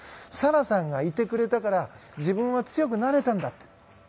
沙羅さんがいてくれたから自分は強くなれたんだって。